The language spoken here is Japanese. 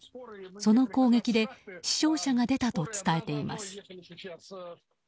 その攻撃で死傷者が出たと伝えています。